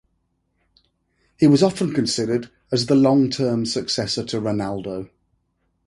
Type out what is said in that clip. He was often considered as the long-term successor to Ronaldo.